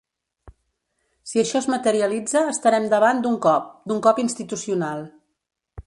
Si això es materialitza estarem davant d’un cop; d’un cop institucional.